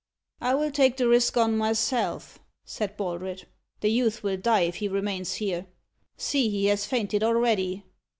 "I will take the risk on myself," said Baldred. "The youth will die if he remains here. See, he has fainted already!"